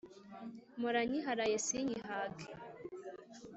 mpora nyiharaye sinyihage